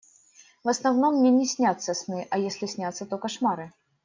В основном мне не снятся сны, а если снятся, то кошмары.